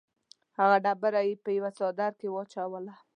هغه ډبره یې په یوه څادر کې واچوله.